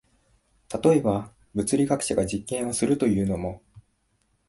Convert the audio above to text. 例えば、物理学者が実験をするというのも、